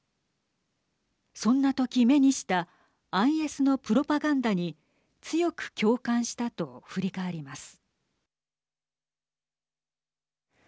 そんなとき目にしたＩＳのプロパガンダに強く共感したと振り返ります。